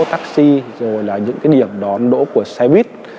taxi rồi là những cái điểm đón đỗ của xe buýt